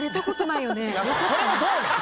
それもどうなん？